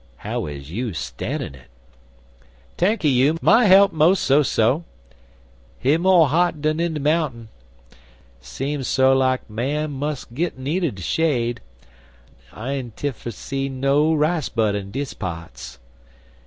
"How is you stannin' it?" "Tanky you, my helt' mos' so so. He mo' hot dun in de mountain. Seem so lak man mus' git need*1 de shade. I enty fer see no rice bud in dis pa'ts."